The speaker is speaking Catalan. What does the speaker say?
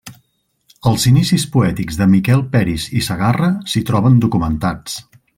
Els inicis poètics de Miquel Peris i Segarra s’hi troben documentats.